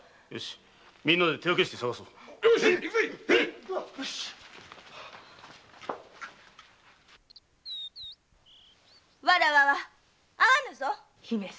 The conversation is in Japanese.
みんなで手分けして捜そうわらわは会わぬぞ姫様